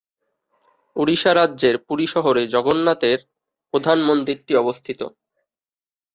ওড়িশা রাজ্যের পুরী শহরে জগন্নাথের প্রধান মন্দিরটি অবস্থিত।